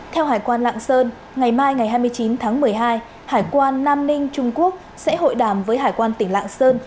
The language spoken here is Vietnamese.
theo hải quan lạng sơn ngày mai ngày hai mươi chín tháng một mươi hai hải quan nam ninh trung quốc sẽ hội đàm với hải quan tỉnh lạng sơn